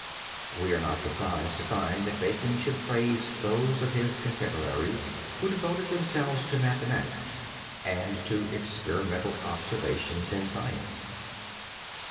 We are not surprised to find that Bacon should praise those of his contemporaries who devoted themselves to mathematics and to experimental observations in science.